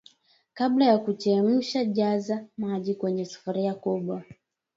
Kabla ya kuchemsha jaza maji kwenye sufuria kubwa